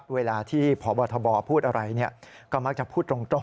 เวลาที่พบทบพูดอะไรก็มักจะพูดตรง